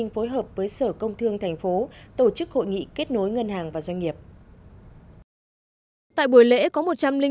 phối hợp với sở công thương tp tổ chức hội nghị kết nối ngân hàng và doanh nghiệp